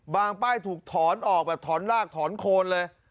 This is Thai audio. ป้ายถูกถอนออกแบบถอนรากถอนโคนเลย